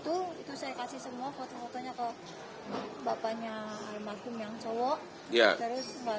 itu saya kasih semua foto fotonya ke bapaknya almarhum yang cowok